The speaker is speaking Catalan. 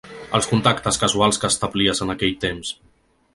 Els contactes casuals que establies en aquell temps